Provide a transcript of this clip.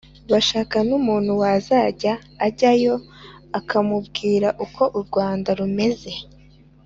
bashaka n’umuntu wazajya ajya yo akamubwira uko u rwanda rumeze